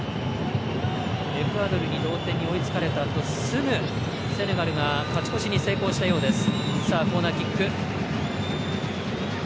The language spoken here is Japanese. エクアドルに同点に追いつかれたあとセネガルが勝ち越しに成功したようです。